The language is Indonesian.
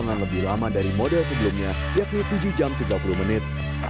dengan lebih lama dari model sebelumnya yakni tujuh jam tiga puluh menit